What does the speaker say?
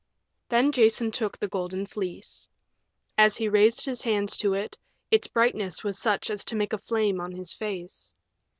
Then Jason took the Golden Fleece. As he raised his hands to it, its brightness was such as to make a flame on his face.